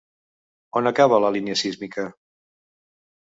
On acaba la línia sísmica?